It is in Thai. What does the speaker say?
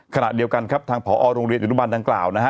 ขณะเดียวกันครับทางผอโรงเรียนอนุบันดังกล่าวนะฮะ